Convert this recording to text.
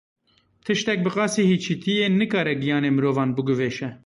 Tiştek bi qasî hîçîtiyê nikare giyanê mirovan biguvêşe.